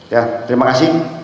ya terima kasih